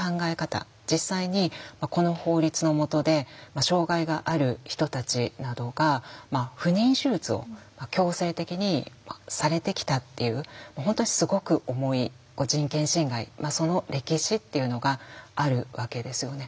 実際にこの法律のもとで障害がある人たちなどが不妊手術を強制的にされてきたっていう本当にすごく重い人権侵害その歴史っていうのがあるわけですよね。